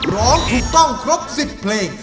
ร้องถูกต้องครบ๑๐เพลง